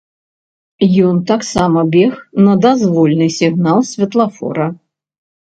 Ён таксама бег на дазвольны сігнал святлафора.